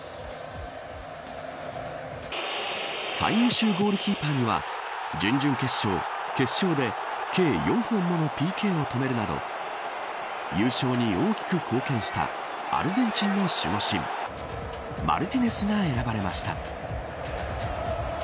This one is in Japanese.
最優秀ゴールキーパーには準々決勝、決勝で計４本のＰＫを止めるなど優勝に大きく貢献したアルゼンチンの守護神マルティネスが選ばれました。